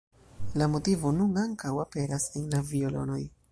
La motivo nun ankaŭ aperas en la violonoj.